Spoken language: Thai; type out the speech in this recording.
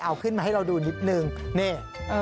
เอาขึ้นมาให้เราดูนิดนึงนี่